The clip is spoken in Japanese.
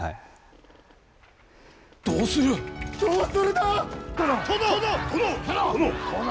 どうするの？